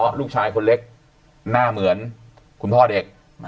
เพราะลูกชายคนเล็กหน้าเหมือนคุณพ่อเด็ก